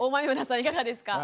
いかがですか？